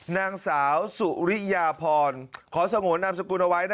นางสาวสุริยาพรขอสงนามสกุลไว้นะครับ